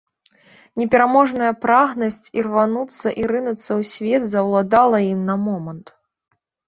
Непераможная прагнасць ірвануцца і рынуцца ў свет заўладала ім на момант.